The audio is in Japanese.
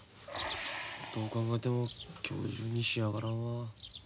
どう考えても今日中に仕上がらんわ。